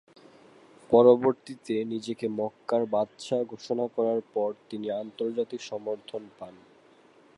পরবর্তীতে নিজেকে মক্কার বাদশাহ ঘোষণা করার পর তিনি আন্তর্জাতিক সমর্থন পান।